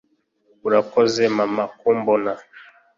urakoze, mama, kumbona